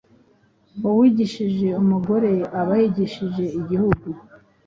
Uwigishije umugore aba yigishije igihugu.